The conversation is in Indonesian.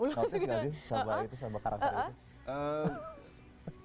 saksis gak sih sama karakter itu